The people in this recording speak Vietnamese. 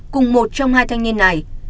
cùng một trong hai thanh niên này